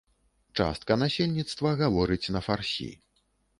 Частка насельніцтва гаворыць на фарсі.